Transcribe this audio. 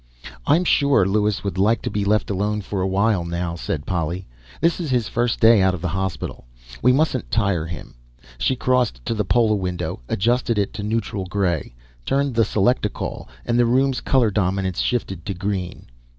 "I'm sure Lewis would like to be left alone for a while now," said Polly. "This is his first day out of the hospital. We mustn't tire him." She crossed to the polawindow, adjusted it to neutral gray, turned the selectacol, and the room's color dominance shifted to green.